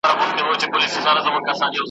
فکري پروژې معمار و